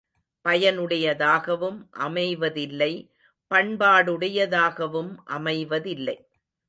பயனுடையதாகவும் அமைவதில்லை பண்பாடுடையதாகவும் அமைவதில்லை.